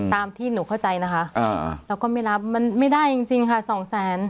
ตามที่หนูเข้าใจนะคะเราก็ไม่รับมันไม่ได้จริงจริงค่ะสองแสน